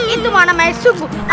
itu mau namanya subuh